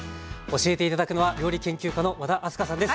教えて頂くのは料理研究家の和田明日香さんです。